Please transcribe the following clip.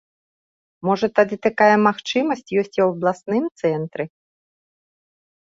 Можа тады такая магчымасць ёсць у абласным цэнтры?